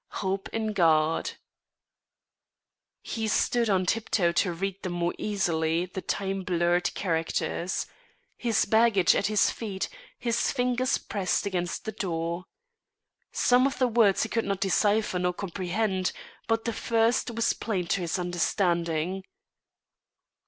Hope in God" He stood on tiptoe to read the more easily the time blurred characters, his baggage at his feet, his fingers pressed against the door. Some of the words he could not decipher nor comprehend, but the first was plain to his understanding.